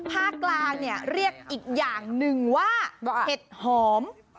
ภาคกลางเนี่ยเรียกอีกอย่างหนึ่งว่าเห็ดหอม